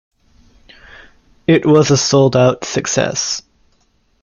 It was a sold-out success.